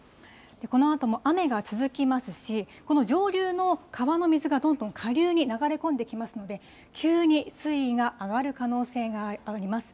このあとも雨が続きますし、この上流の川の水がどんどん下流に流れ込んできますので、急に水位が上がる可能性があります。